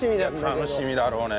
いや楽しみだろうね。